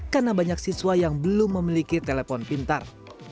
karena banyak siswa yang belum memiliki telepon pintar